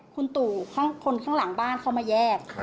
คุณตู่คนข้างหลังบ้านเขามาแยก